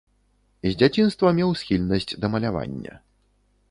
З дзяцінства меў схільнасць да малявання.